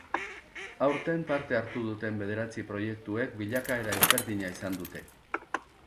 Aurten parte hartu duten bederatzi proiektuek bilakaera ezberdina izan dute.